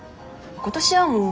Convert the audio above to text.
今年はもう。